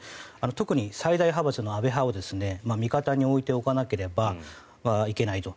特に最大派閥の安倍派を味方に置いておかなければいけないと。